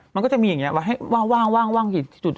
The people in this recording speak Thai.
มันก็จะมีอย่างนี้ไว้ให้ว่างอยู่จุด